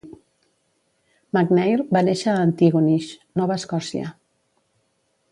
MacNeil va néixer a Antigonish, Nova Escòcia.